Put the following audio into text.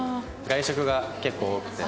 外食が結構多くて。